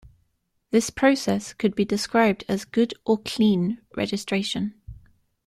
This process could be described as good or clean registration.